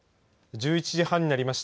１１時半になりました。